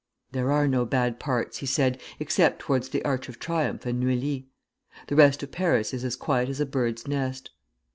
'There are no bad parts,' he said, 'except towards the Arch of Triumph and Neuilly. The rest of Paris is as quiet as a bird's nest.'